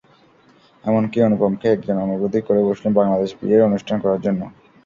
এমনকি অনুপমকে একজন অনুরোধই করে বসলেন বাংলাদেশে বিয়ের অনুষ্ঠান করার জন্য।